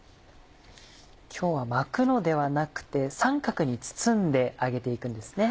今日は巻くのではなくて三角に包んで揚げて行くんですね。